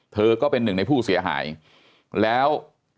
เธอก็เป็นหนึ่งในผู้เสียหายแล้ว